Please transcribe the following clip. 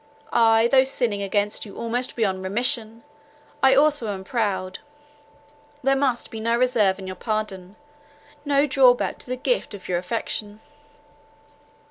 I, though sinning against you almost beyond remission, I also am proud; there must be no reserve in your pardon—no drawback to the gift of your affection."